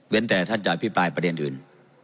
แต่ท่านจะอภิปรายประเด็นอื่น